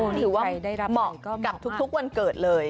ถือว่าเหมาะกับทุกวันเกิดเลย